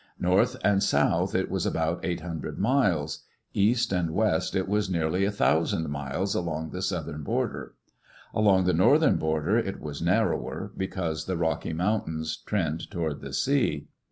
North and south it was about eight hundred miles. East and west it was nearly a thousand miles along the southern border. Along the northern border it was narrower, because the Rocky Mountains trend toward the sea.